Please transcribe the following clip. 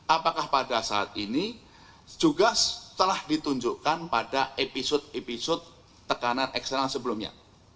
apakah pada saat ini juga telah ditunjukkan pada episode episode tekanan eksternal sebelumnya